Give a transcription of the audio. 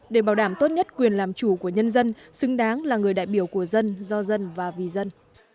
để bảo đảm tốt nhất quyền làm chủ của nhân dân xứng đáng là người đại biểu của dân do dân và vì dân